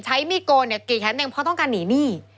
ใช้มีดโกนกรีดแขนแนงเพราะต้องการหนีหนี้